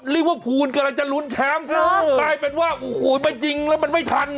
เรียกว่าโพลก็อะไรจะรุ่นแชมพ์ไกลแบบว่าโอ้โหไม่จริงแล้วมันไม่ทัน